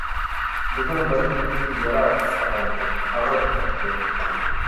بىزنىڭ بەدىنىمىزدىكى يارا تېخى ساقايمىدى، ئاغرىق تېخى پەسەيمىدى.